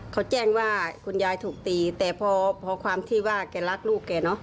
เขาแจ้งว่าคุณยายถูกตีแต่พอความที่ว่าแกรักลูกแกเนอะ